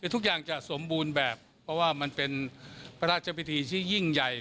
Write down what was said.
ทุกอย่างจะสมบูรณ์แบบเพราะว่ามันเป็นพระราชพิธีที่ยิ่งใหญ่